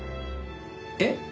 えっ？